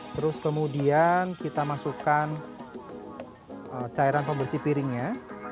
terus kemudian kita masukkan cairan pembersih piringnya